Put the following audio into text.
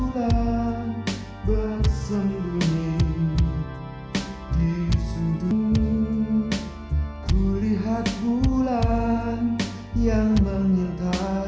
tapi aku punya dua anak